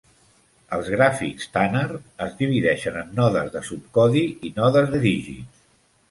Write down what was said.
Els gràfics Tanner es divideixen en nodes de subcodi i nodes de dígits.